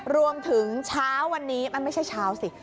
เช้าวันนี้มันไม่ใช่เช้าสิ